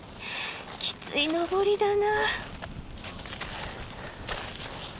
きつい登りだな。